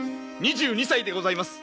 ２２歳でございます。